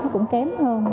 cũng kém hơn